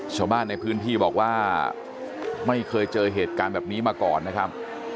ชาวบ้านในพื้นที่บอกว่าไม่เคยเจอเหตุการณ์แบบนี้มาก่อนนะครับ